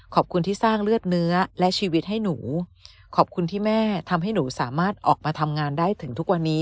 ขอบคุณที่สร้างเลือดเนื้อและชีวิตให้หนูขอบคุณที่แม่ทำให้หนูสามารถออกมาทำงานได้ถึงทุกวันนี้